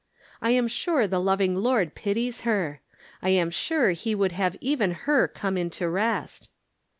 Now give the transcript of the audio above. I am sure the loving Lord pities her. I am sure he would have even her come into rest.